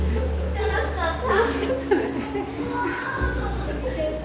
楽しかった！